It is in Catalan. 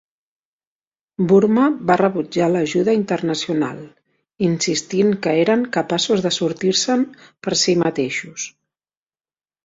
Burma va rebutjar l'ajuda internacional, insistint que eren capaços de sortir-se'n per si mateixos.